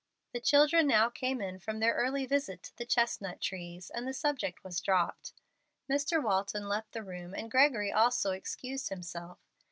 The children now came in from their early visit to the chestnut trees, and the subject was dropped. Mr. Walton left the room, and Gregory also excused himself.